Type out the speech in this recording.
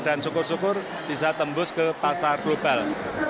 dan syukur syukur bisa tembus ke pasar global